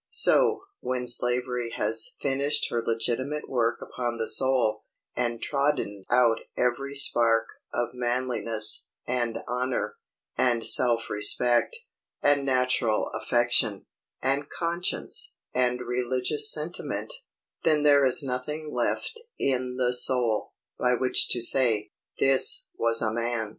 —so, when Slavery has finished her legitimate work upon the soul, and trodden out every spark of manliness, and honor, and self respect, and natural affection, and conscience, and religious sentiment, then there is nothing left in the soul, by which to say, "This was a man!"